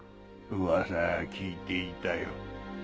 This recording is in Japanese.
噂は聞いていたよ。